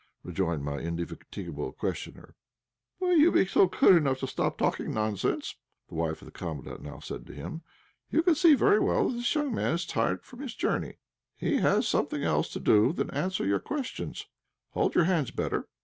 rejoined my indefatigable questioner. "Will you be good enough to stop talking nonsense?" the wife of the Commandant now said to him. "You can see very well that this young man is tired with his journey. He has something else to do than to answer your questions. Hold your hands better.